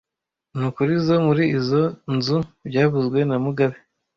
Nakurizoe muri izoi nzu byavuzwe na mugabe